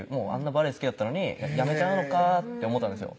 バレー好きだったのに辞めちゃうのかって思ったんですよ